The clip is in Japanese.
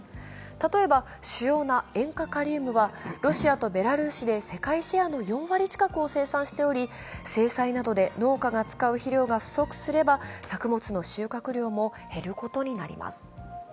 例えば主要な塩化カリウムはロシアとベラルーシで世界シェアの４割近くを生産しており、制裁などで農家が使う肥料が不足すれば作物の収穫量も減ることになります。